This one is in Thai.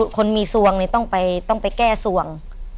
คนมีสวงต้องไปแก้ส่วง